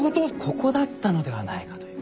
ここだったのではないかという。